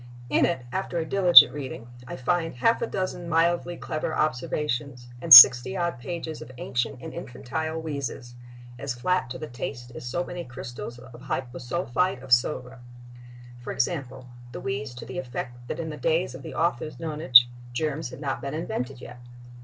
In it, after a diligent reading, I find half a dozen mildly clever observations—and sixty odd pages of ancient and infantile wheezes, as flat to the taste as so many crystals of hyposulphite of soda. For example, the wheeze to the effect that in the days of the author's nonage "germs had not been invented yet."